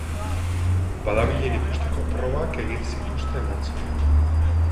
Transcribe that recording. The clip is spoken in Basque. Badabilen ikusteko probak egin zituzten atzo.